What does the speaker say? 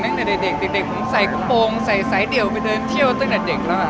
ตั้งแต่เด็กผมใส่กระโปรงใส่สายเดี่ยวไปเดินเที่ยวตั้งแต่เด็กแล้ว